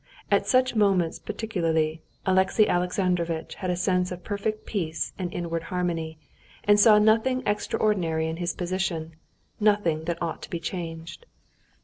At such moments particularly, Alexey Alexandrovitch had a sense of perfect peace and inward harmony, and saw nothing extraordinary in his position, nothing that ought to be changed.